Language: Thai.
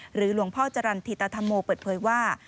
หลวงพ่อจรรย์ธิตธรรโมเปิดเผยว่า